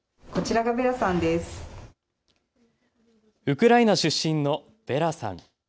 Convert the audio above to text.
ウクライナ出身のヴェラさん。